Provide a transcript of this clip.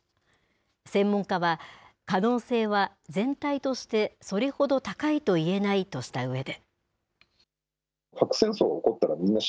専門家は、可能性は全体として、それほど高いと言えないとしたうえで。